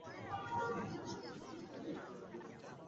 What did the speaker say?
রবিন আশপাশে চোখ বুলিয়ে নিল যদি পানিতে ভাসমান কিছু দেখা যায়।